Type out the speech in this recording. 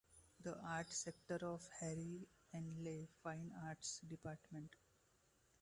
The Arts sector of Harry Ainlay Fine Arts Dept.